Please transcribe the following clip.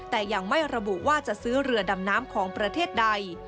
แต่ยังไม่ระบุว่าจะซื้อเรือดำน้ำของประเทศใด